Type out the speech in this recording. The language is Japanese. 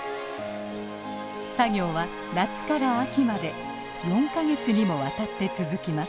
作業は夏から秋まで４か月にもわたって続きます。